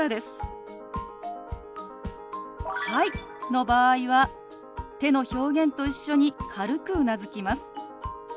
「はい」の場合は手の表現と一緒に軽くうなずきます。